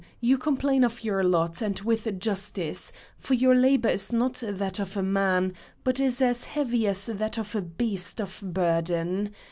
you complain of your lot, and with justice; for your labor is not that of a man, but is as heavy as that of a beast of burden.